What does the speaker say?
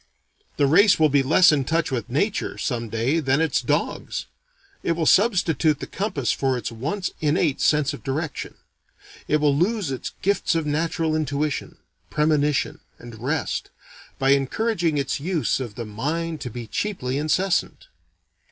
The race will be less in touch with Nature, some day, than its dogs. It will substitute the compass for its once innate sense of direction. It will lose its gifts of natural intuition, premonition, and rest, by encouraging its use of the mind to be cheaply incessant.